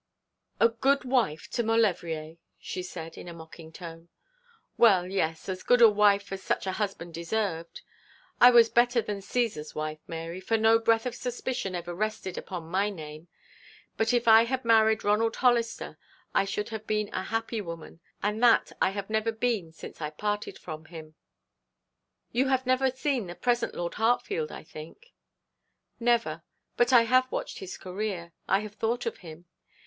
'A good wife to Maulevrier,' she said, in a mocking tone. Well, yes, as good a wife as such a husband deserved. 'I was better than Cæsar's wife, Mary, for no breath of suspicion ever rested upon my name. But if I had married Ronald Hollister, I should have been a happy woman; and that I have never been since I parted from him.' 'You have never seen the present Lord Hartfield, I think?' 'Never; but I have watched his career, I have thought of him.